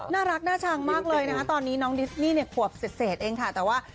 น่ารักหน้าชางมากเลยนะตอนนี้น้องดิสนี่แขวบเสดเองแต่ว่า